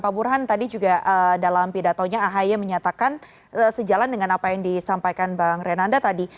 pak burhan tadi juga dalam pidatonya ahy menyatakan sejalan dengan apa yang disampaikan bang renanda tadi